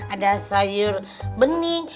ada sayur bening